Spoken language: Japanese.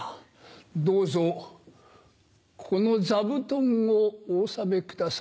どうぞこの座布団をお納めくださいまし。